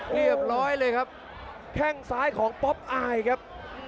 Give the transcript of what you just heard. เรียบร้อยเลยครับแข้งซ้ายของป๊อปอายครับ